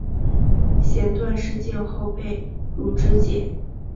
弦断矢尽后被俘支解。